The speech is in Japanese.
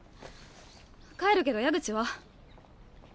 帰るけど矢口は？